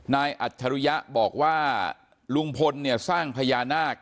อัจฉริยะบอกว่าลุงพลเนี่ยสร้างพญานาค